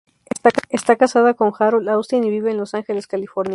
Está casada con Harold Austin y vive en Los Ángeles, California.